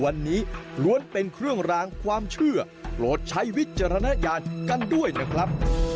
วันนี้ล้วนเป็นเครื่องรางความเชื่อโปรดใช้วิจารณญาณกันด้วยนะครับ